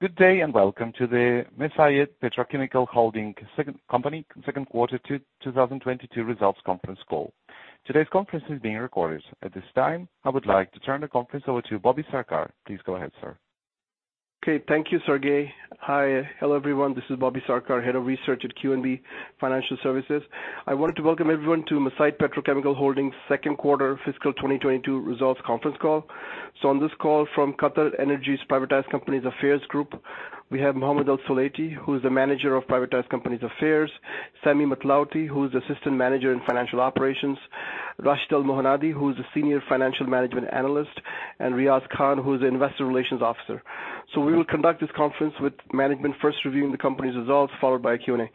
Good day. Welcome to the Mesaieed Petrochemical Holding Company second quarter 2022 results conference call. Today's conference is being recorded. At this time, I would like to turn the conference over to Bobby Sarkar. Please go ahead, sir. Okay. Thank you, Sergei. Hi. Hello, everyone. This is Bobby Sarkar, Head of Research at QNB Financial Services. I want to welcome everyone to Mesaieed Petrochemical Holding second quarter fiscal 2022 results conference call. On this call from QatarEnergy's Privatized Companies Affairs Group, we have Mohammed Al-Sulaiti, who is the Manager of Privatized Companies Affairs, Sami Mathlouthi, who is Assistant Manager in Financial Operations, Rashed Al Mohannadi, who is a Senior Financial Management Analyst, and Riaz Khan, who is the Investor Relations Officer. We will conduct this conference with management first reviewing the company's results, followed by a Q&A.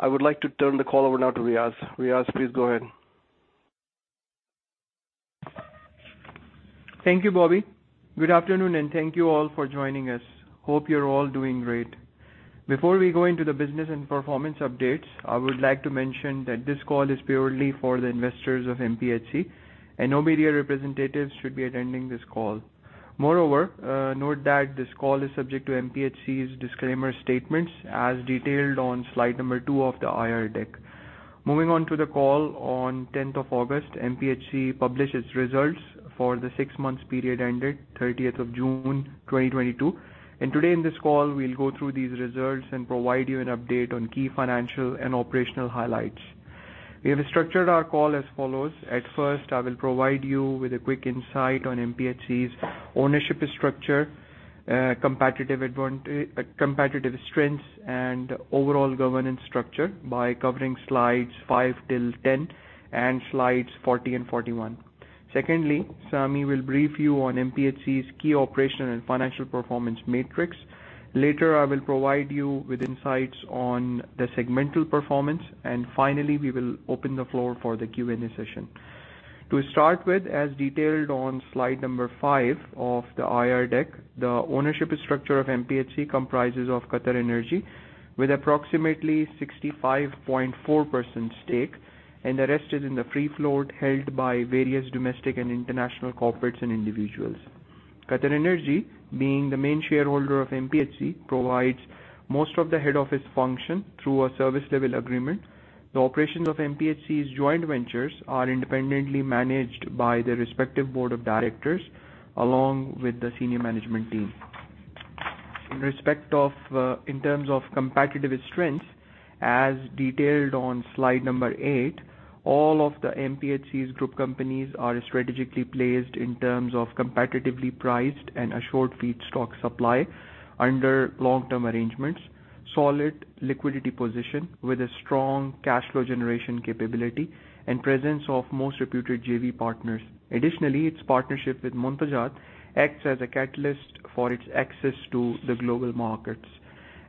I would like to turn the call over now to Riaz. Riaz, please go ahead. Thank you, Bobby. Good afternoon. Thank you all for joining us. Hope you are all doing great. Before we go into the business and performance updates, I would like to mention that this call is purely for the investors of MPHC. No media representatives should be attending this call. Moreover, note that this call is subject to MPHC's disclaimer statements, as detailed on slide number two of the IR deck. Moving on to the call on the tenth of August, MPHC published its results for the six-months period ended 30 of June 2022. Today in this call, we will go through these results and provide you an update on key financial and operational highlights. We have structured our call as follows. At first, I will provide you with a quick insight on MPHC's ownership structure, competitive strengths, and overall governance structure by covering slides five till 10 and slides 40 and 41. Secondly, Sami will brief you on MPHC's key operational and financial performance metrics. Later, I will provide you with insights on the segmental performance. Finally, we will open the floor for the Q&A session. To start with, as detailed on slide number five of the IR deck, the ownership structure of MPHC comprises of QatarEnergy with approximately 65.4% stake. The rest is in the free float held by various domestic and international corporates and individuals. QatarEnergy, being the main shareholder of MPHC, provides most of the head office function through a service level agreement. The operations of MPHC's joint ventures are independently managed by the respective board of directors, along with the senior management team. In terms of competitive strengths, as detailed on slide number eight, all of the MPHC's group companies are strategically placed in terms of competitively priced and assured feedstock supply under long-term arrangements, solid liquidity position with a strong cash flow generation capability, and presence of most reputed JV partners. Additionally, its partnership with Muntajat acts as a catalyst for its access to the global markets.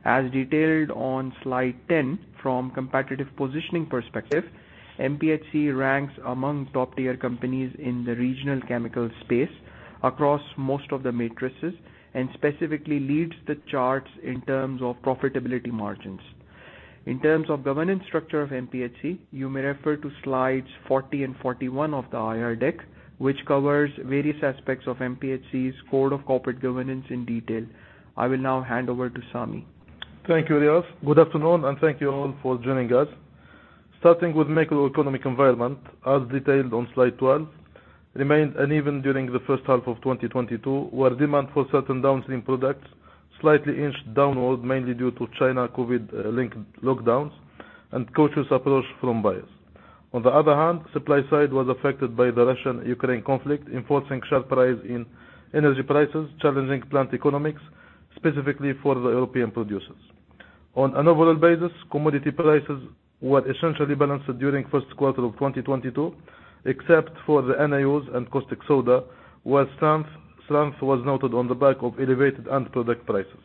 As detailed on slide 10, from competitive positioning perspective, MPHC ranks among top-tier companies in the regional chemical space across most of the matrices and specifically leads the charts in terms of profitability margins. In terms of governance structure of MPHC, you may refer to slides 40 and 41 of the IR deck, which covers various aspects of MPHC's code of corporate governance in detail. I will now hand over to Sami. Thank you, Riaz. Good afternoon, and thank you all for joining us. Starting with macroeconomic environment, as detailed on slide 12, remained uneven during the first half of 2022, where demand for certain downstream products slightly inched downward, mainly due to China COVID-linked lockdowns and cautious approach from buyers. On the other hand, supply side was affected by the Russian-Ukraine conflict, enforcing sharp rise in energy prices, challenging plant economics, specifically for the European producers. On an overall basis, commodity prices were essentially balanced during first quarter of 2022, except for the LAOs and caustic soda, where strength was noted on the back of elevated end product prices.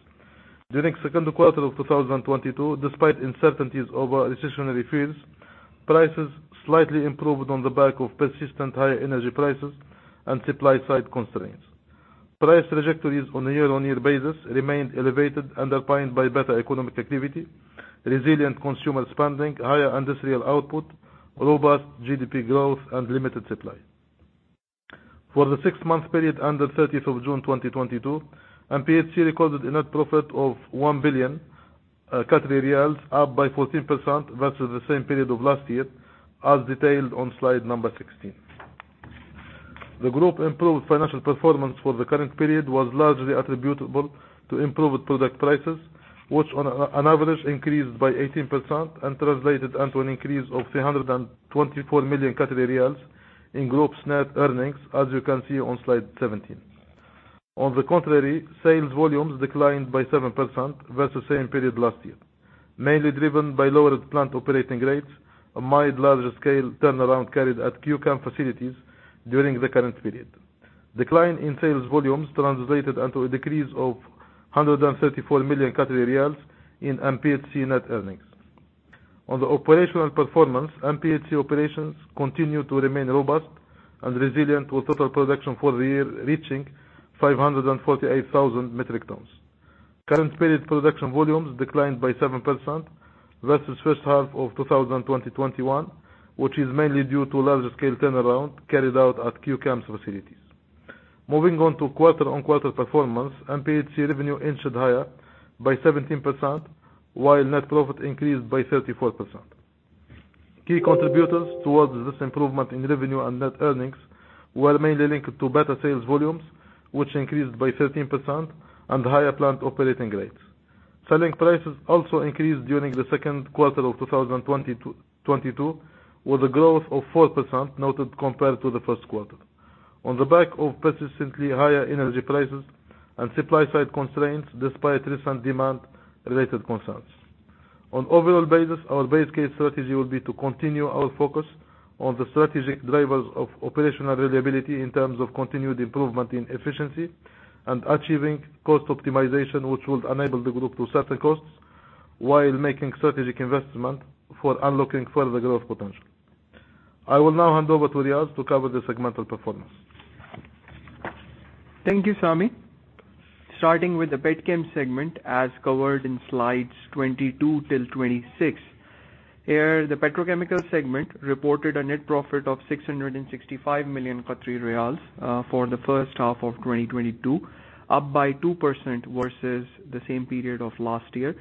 During second quarter of 2022, despite uncertainties over recessionary fears, prices slightly improved on the back of persistent high energy prices and supply side constraints. Price trajectories on a year-on-year basis remained elevated, underpinned by better economic activity, resilient consumer spending, higher industrial output, robust GDP growth, and limited supply. For the six-month period under thirtieth of June 2022, MPHC recorded a net profit of 1 billion, up by 14% versus the same period of last year, as detailed on slide number 16. The group improved financial performance for the current period was largely attributable to improved product prices, which on average increased by 18% and translated into an increase of 324 million Qatari riyals in group's net earnings, as you can see on slide 17. On the contrary, sales volumes declined by 7% versus same period last year, mainly driven by lowered plant operating rates, a mild large-scale turnaround carried at Q-Chem facilities during the current period. Decline in sales volumes translated into a decrease of 134 million Qatari riyals in MPHC net earnings. On the operational performance, MPHC operations continue to remain robust and resilient, with total production for the year reaching 548,000 metric tons. Current period production volumes declined by 7% versus first half of 2021, which is mainly due to large scale turnaround carried out at Q-Chem's facilities. Moving on to quarter-over-quarter performance, MPHC revenue inched higher by 17%, while net profit increased by 34%. Key contributors towards this improvement in revenue and net earnings were mainly linked to better sales volumes, which increased by 13%, and higher plant operating rates. Selling prices also increased during the second quarter of 2022, with a growth of 4% noted compared to the first quarter. On the back of persistently higher energy prices and supply side constraints, despite recent demand related concerns. On overall basis, our base case strategy will be to continue our focus on the strategic drivers of operational reliability in terms of continued improvement in efficiency and achieving cost optimization, which will enable the group to certain costs while making strategic investment for unlocking further growth potential. I will now hand over to Riaz to cover the segmental performance. Thank you, Sami. Starting with the Petchem segment, as covered in slides 22 till 26. Here, the petrochemical segment reported a net profit of 665 million Qatari riyals for the first half of 2022, up by 2% versus the same period of last year.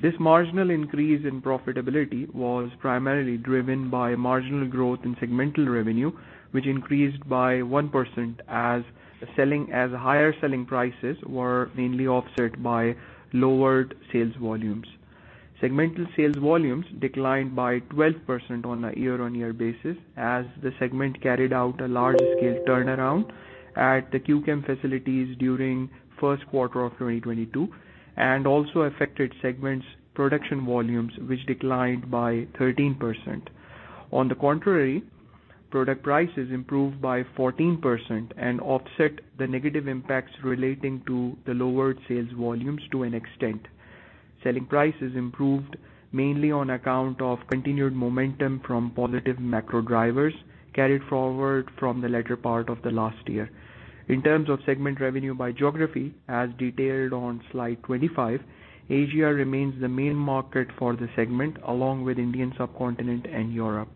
This marginal increase in profitability was primarily driven by marginal growth in segmental revenue, which increased by 1%, as higher selling prices were mainly offset by lowered sales volumes. Segmental sales volumes declined by 12% on a year-over-year basis as the segment carried out a large scale turnaround at the Q-Chem facilities during first quarter of 2022, and also affected segment's production volumes, which declined by 13%. On the contrary, product prices improved by 14% and offset the negative impacts relating to the lowered sales volumes to an extent. Selling prices improved mainly on account of continued momentum from positive macro drivers carried forward from the latter part of the last year. In terms of segment revenue by geography, as detailed on slide 25, Asia remains the main market for the segment, along with Indian subcontinent and Europe.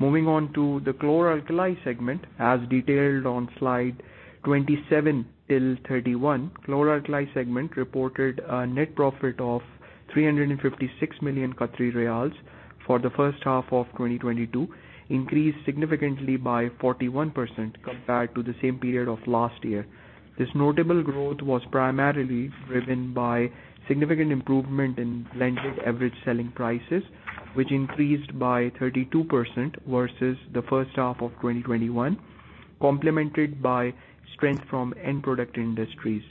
Moving on to the Chlor-alkali segment, as detailed on slide 27 till 31. Chlor-alkali segment reported a net profit of 356 million Qatari riyals for the first half of 2022, increased significantly by 41% compared to the same period of last year. This notable growth was primarily driven by significant improvement in blended average selling prices, which increased by 32% versus the first half of 2021, complemented by strength from end product industries.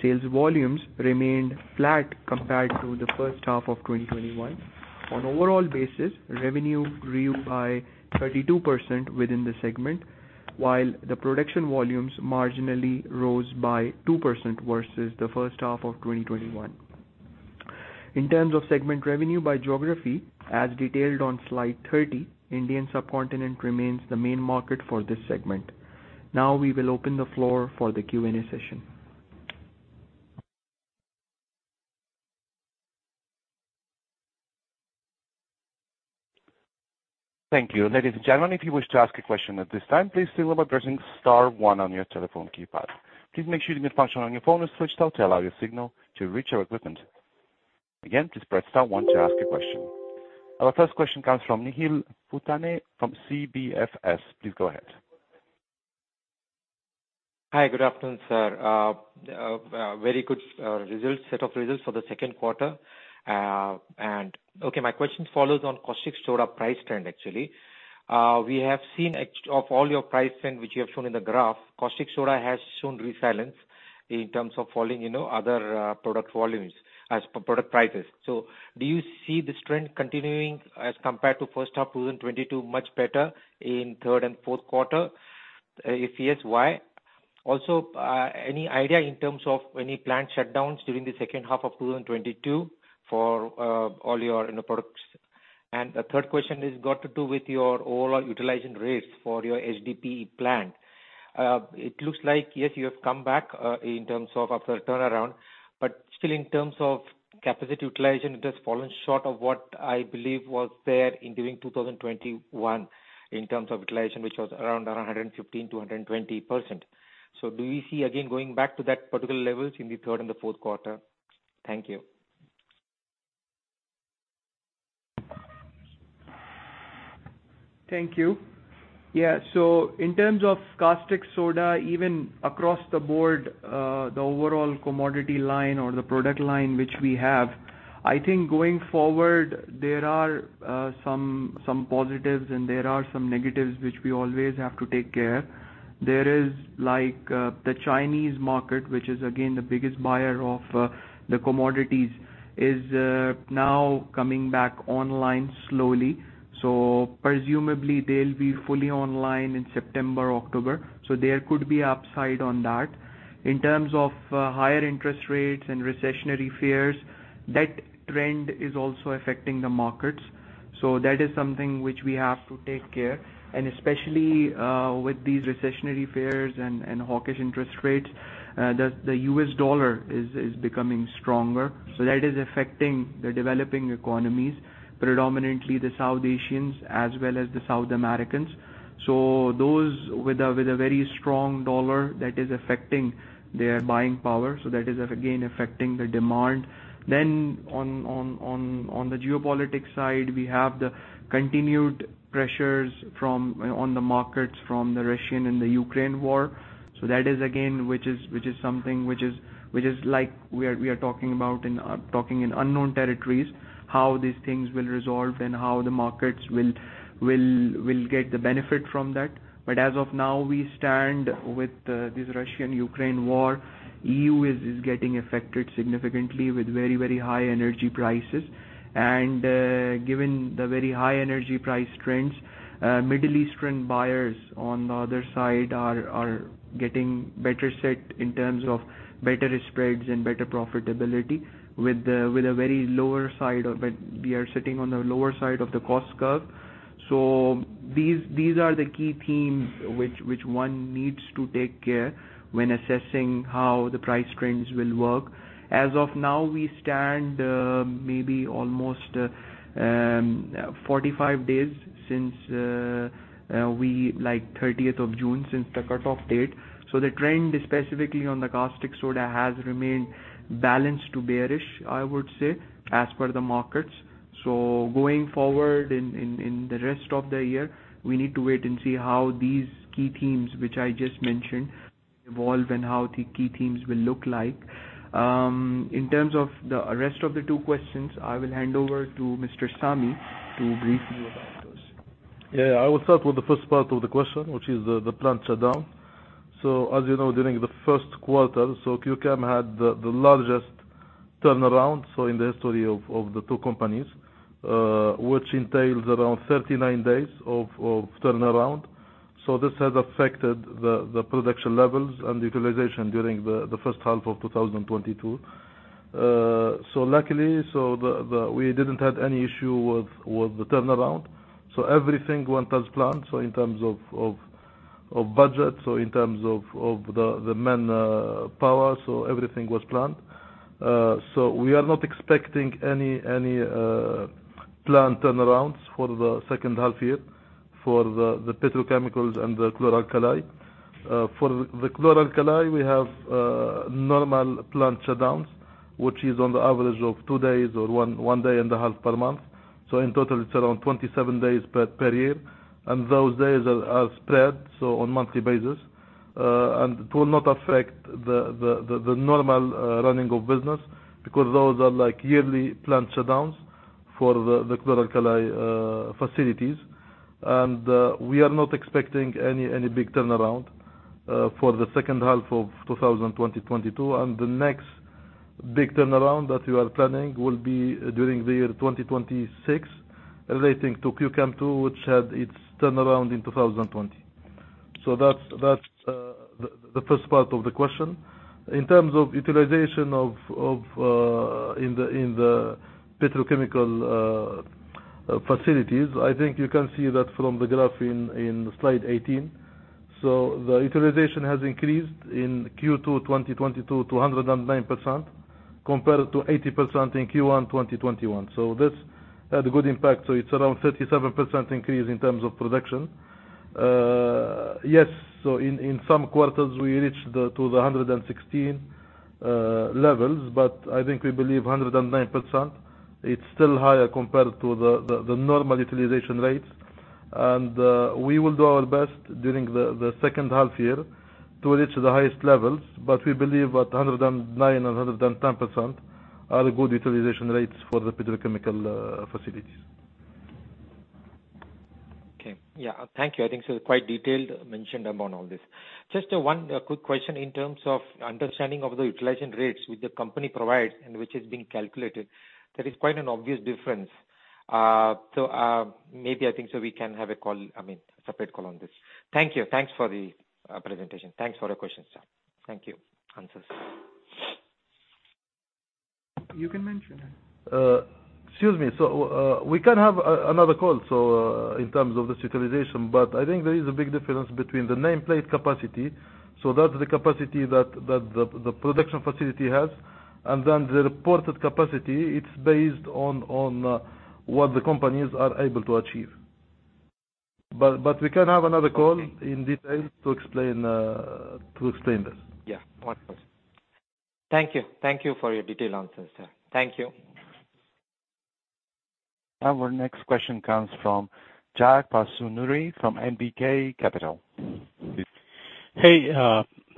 Sales volumes remained flat compared to the first half of 2021. On overall basis, revenue grew by 32% within the segment, while the production volumes marginally rose by 2% versus the first half of 2021. In terms of segment revenue by geography, as detailed on slide 30, Indian subcontinent remains the main market for this segment. We will open the floor for the Q&A session. Thank you. Ladies and gentlemen, if you wish to ask a question at this time, please do so by pressing star one on your telephone keypad. Please make sure the mute function on your phone is switched off to allow your signal to reach our equipment. Again, please press star one to ask your question. Our first question comes from Nihil Putane from CBFS. Please go ahead. Hi. Good afternoon, sir. Very good set of results for the second quarter. My question follows on caustic soda price trend, actually. We have seen of all your price trend, which you have shown in the graph, caustic soda has shown resilience in terms of following other product prices. Do you see this trend continuing as compared to first half 2022, much better in third and fourth quarter? If yes, why? Also, any idea in terms of any plant shutdowns during the second half of 2022 for all your products. The third question is got to do with your overall utilization rates for your HDPE plant. It looks like, yes, you have come back in terms of after turnaround, but still in terms of capacity utilization, it has fallen short of what I believe was there during 2021 in terms of utilization, which was around 115%-120%. Do we see again going back to that particular levels in the third and the fourth quarter? Thank you. Thank you. In terms of caustic soda, even across the board, the overall commodity line or the product line which we have, I think going forward, there are some positives and there are some negatives which we always have to take care. There is the Chinese market, which is again the biggest buyer of the commodities, is now coming back online slowly. Presumably they'll be fully online in September, October. There could be upside on that. In terms of higher interest rates and recessionary fears, that trend is also affecting the markets. That is something which we have to take care. Especially, with these recessionary fears and hawkish interest rates, the US dollar is becoming stronger. That is affecting the developing economies, predominantly the South Asians as well as the South Americans. Those with a very strong dollar, that is affecting their buying power. That is, again, affecting the demand. On the geopolitics side, we have the continued pressures on the markets from the Russian and the Ukraine war. That is, again, which is something which is like we are talking in unknown territories, how these things will resolve and how the markets will get the benefit from that. As of now, we stand with this Russian-Ukraine war. EU is getting affected significantly with very high energy prices. Given the very high energy price trends, Middle Eastern buyers on the other side are getting better set in terms of better spreads and better profitability with a very lower side of it. We are sitting on the lower side of the cost curve. These are the key themes which one needs to take care when assessing how the price trends will work. As of now, we stand maybe almost 45 days since, like, 30th of June, since the cutoff date. The trend specifically on the caustic soda has remained balanced to bearish, I would say, as per the markets. Going forward in the rest of the year, we need to wait and see how these key themes, which I just mentioned, evolve and how the key themes will look like. In terms of the rest of the two questions, I will hand over to Mr. Sami to brief you about those. I will start with the first part of the question, which is the plant shutdown. As you know, during the first quarter, Q-Chem had the largest turnaround in the history of the two companies, which entails around 39 days of turnaround. This has affected the production levels and utilization during the first half of 2022. Luckily, we didn't have any issue with the turnaround. Everything went as planned. In terms of budget, in terms of the man power, everything was planned. We are not expecting any plan turnarounds for the second half year for the petrochemicals and the Chlor-alkali. For the Chlor-alkali, we have normal plant shutdowns, which is on the average of two days or one day and a half per month. In total, it's around 27 days per year, and those days are spread on monthly basis. It will not affect the normal running of business because those are yearly plant shutdowns for the Chlor-alkali facilities. We are not expecting any big turnaround for the second half of 2022. The next big turnaround that we are planning will be during the year 2026, relating to Q-Chem II, which had its turnaround in 2020. That's the first part of the question. In terms of utilization in the petrochemical facilities, I think you can see that from the graph in Slide 18. The utilization has increased in Q2 2022 to 109%, compared to 80% in Q1 2021. This had a good impact. It's around 37% increase in terms of production. Yes, in some quarters, we reached to the 116 levels, I think we believe 109%, it's still higher compared to the normal utilization rates. We will do our best during the second half year to reach the highest levels. We believe at 109% and 110% are good utilization rates for the petrochemical facilities. Okay. Yeah. Thank you. I think quite detailed mentioned about all this. Just one quick question in terms of understanding of the utilization rates which the company provides and which is being calculated. That is quite an obvious difference. Maybe I think we can have a call, I mean, separate call on this. Thank you. Thanks for the presentation. Thanks for the questions, sir. Thank you. Answers. You can mention that. Excuse me. We can have another call in terms of this utilization, but I think there is a big difference between the nameplate capacity. That's the capacity that the production facility has. The reported capacity, it's based on what the companies are able to achieve. We can have another call in detail to explain this. Yeah. Wonderful. Thank you. Thank you for your detailed answers, sir. Thank you. Our next question comes from Jay Pasunuri from NBK Capital. Hey,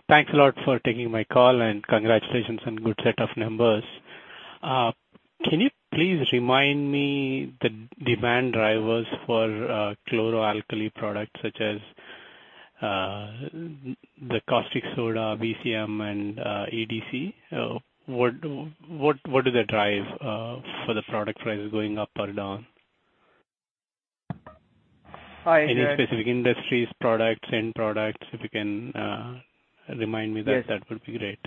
thanks a lot for taking my call, and congratulations on good set of numbers. Can you please remind me the demand drivers for Chlor-alkali products such as the caustic soda, VCM, and EDC? What is the drive for the product prices going up or down? Any specific industries, products, end products? If you can remind me that would be great.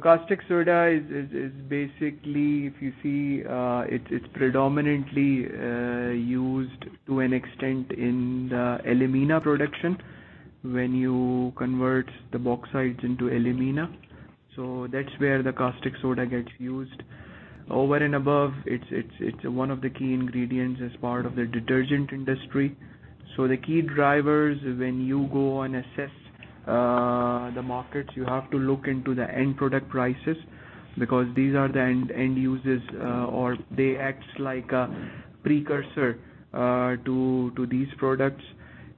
Caustic soda is basically, if you see, it's predominantly used to an extent in the alumina production when you convert the bauxite into alumina. That's where the caustic soda gets used. Over and above, it's one of the key ingredients as part of the detergent industry. The key drivers, when you go and assess the markets, you have to look into the end product prices, because these are the end users, or they act as a precursor to these products.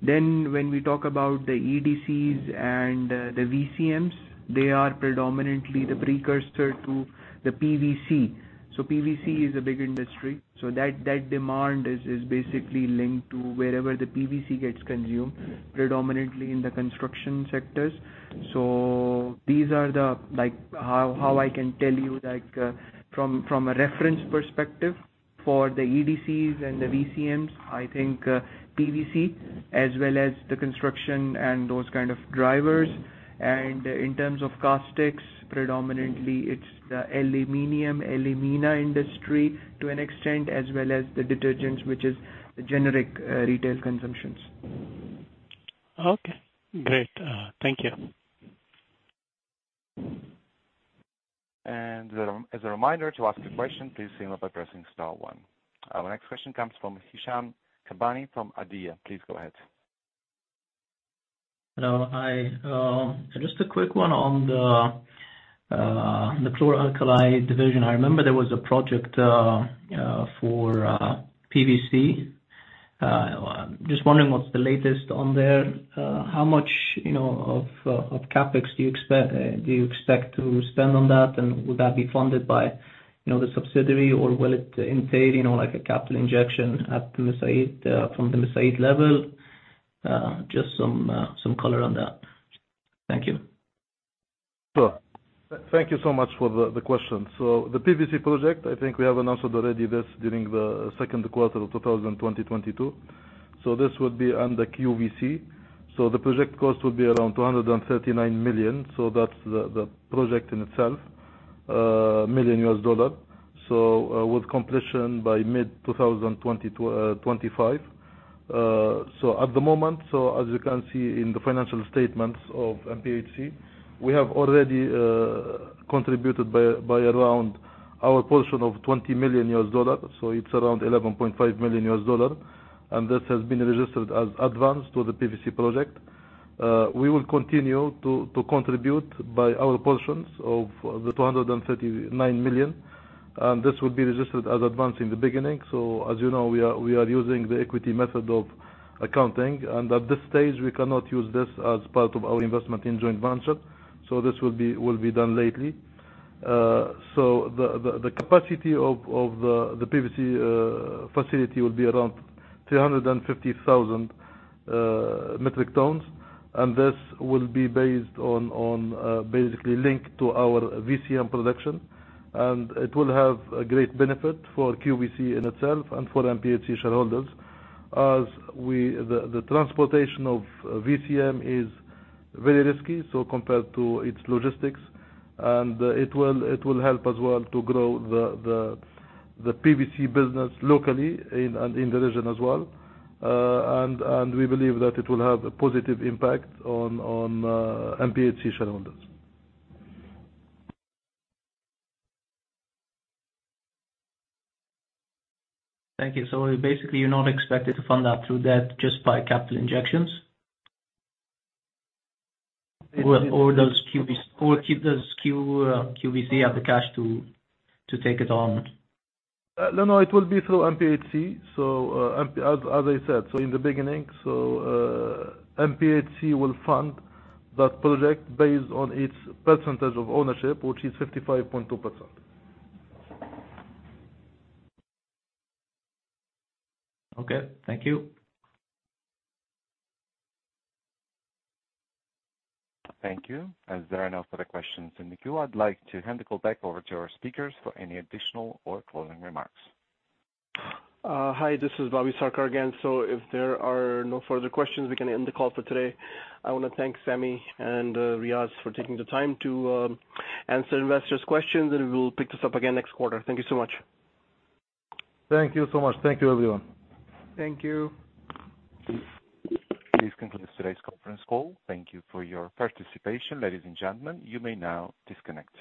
When we talk about the EDCs and the VCMs, they are predominantly the precursor to the PVC. PVC is a big industry. That demand is basically linked to wherever the PVC gets consumed, predominantly in the construction sectors. These are how I can tell you from a reference perspective for the EDCs and the VCMs. I think PVC as well as the construction and those kinds of drivers. In terms of caustics, predominantly it's the aluminum, alumina industry to an extent, as well as the detergents, which is generic retail consumptions. Okay, great. Thank you. As a reminder, to ask a question, please signal by pressing star one. Our next question comes from Hisham Kabbani from ADIA. Please go ahead. Hello. Just a quick one on the Chlor-alkali division. I remember there was a project for PVC. Just wondering what's the latest on there. How much of CapEx do you expect to spend on that? Will that be funded by the subsidiary or will it entail a capital injection from the Mesaieed level? Just some color on that. Thank you. Sure. Thank you so much for the question. The PVC project, I think we have announced already this during the second quarter of 2022. This would be under QVC. The project cost will be around $239 million. That's the project in itself, million US dollar. With completion by mid 2025. At the moment, as you can see in the financial statements of MPHC, we have already contributed by around our portion of $20 million. It's around $11.5 million, and this has been registered as advance to the PVC project. We will continue to contribute by our portions of the $239 million, and this will be registered as advance in the beginning. As you know, we are using the equity method of accounting, at this stage, we cannot use this as part of our investment in joint venture. This will be done lately. The capacity of the PVC facility will be around 350,000 metric tons. This will be based on basically linked to our VCM production. It will have a great benefit for QVC in itself and for MPHC shareholders as the transportation of VCM is very risky, so compared to its logistics. It will help as well to grow the PVC business locally and in the region as well. We believe that it will have a positive impact on MPHC shareholders. Thank you. Basically, you're not expected to fund that through debt just by capital injections? Or does QVC have the cash to take it on? No, no, it will be through MPHC. As I said, in the beginning, MPHC will fund that project based on its percentage of ownership, which is 55.2%. Okay. Thank you. Thank you. As there are no further questions in the queue, I'd like to hand the call back over to our speakers for any additional or closing remarks. Hi, this is Bobby Sarkar again. If there are no further questions, we can end the call for today. I want to thank Sami and Riaz for taking the time to answer investors' questions, and we will pick this up again next quarter. Thank you so much. Thank you so much. Thank you, everyone. Thank you. This concludes today's conference call. Thank you for your participation. Ladies and gentlemen, you may now disconnect.